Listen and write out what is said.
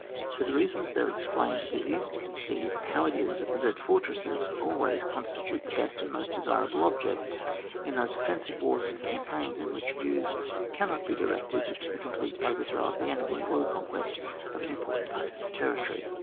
For the reasons there ex plained, it is easy to conceive how it is that fortresses always constitute the best and most desirable objects in those offen sive wars and campaigns in which views cannot be directed to the complete over throw of the enemy or the conquest of an important part of his territory.